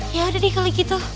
ya udah deh kalau gitu